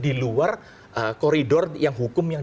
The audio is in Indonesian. di luar koridor yang hukum yang